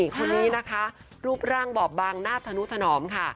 คนนี้นะคะรูปร่างบอบบางหน้าธนุถนอมค่ะ